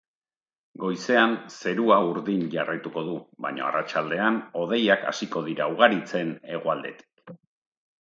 Goizean zerua urdin jarraituko du, baina arratsaldean hodeiak hasiko dira ugaritzen hegoaldetik.